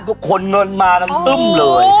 ทุกคนเงินมานั้นปึ้มเลย